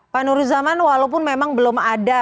pak nur zaman walaupun memang belum ada